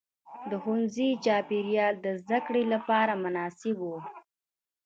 د ښوونځي چاپېریال د زده کړې لپاره مناسب و.